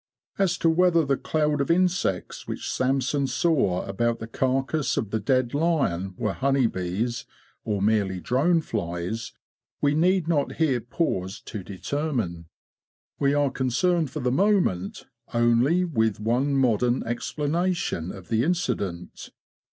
As to whether the cloud of insects which Samson saw about the carcase of the dead lion were honey bees or merely drone flies, we need not here pause to determine. We are concerned for the moment only with one modern explanation of the incident.